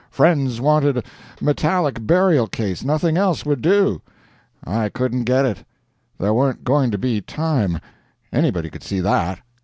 Friends wanted metallic burial case nothing else would do. I couldn't get it. There warn't going to be time anybody could see that.